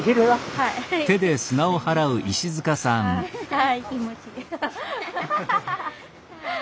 はい気持ちいい。